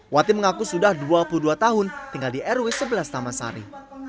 wati mengaku sudah dua puluh dua tahun tinggal di rw sebelas taman sari